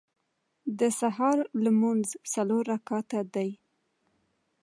د سهار لمونځ څلور رکعته دی.